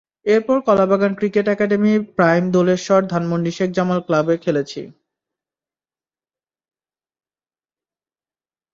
এরপর Kalabagan Cricket Academy, Prime Doleshwar, Dhanmondi Sheikh Jamal ক্লাবে খেলেছি।